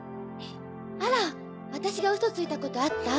あら私がウソついたことあった？